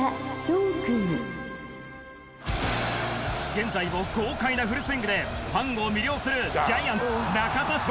現在も豪快なフルスイングでファンを魅了するジャイアンツ中田翔。